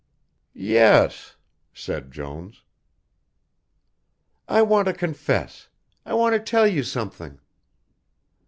"Yes," said Jones. "I want to confess I want to tell you something."